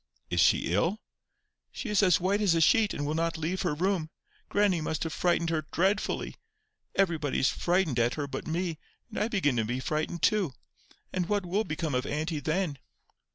"Is she ill?" "She is as white as a sheet, and will not leave her room. Grannie must have frightened her dreadfully. Everybody is frightened at her but me, and I begin to be frightened too. And what will become of auntie then?"